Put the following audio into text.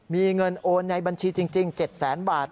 มีเงินโอนในบัญชีจริง๗แสนบาท